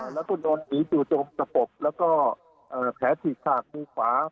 แล้วก็โดนหนีสู่ระบบแล้วก็แผลฉีกขาดมือขวา